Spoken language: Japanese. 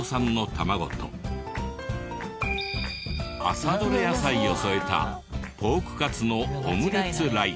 朝どれ野菜を添えたポークカツのオムレツライス。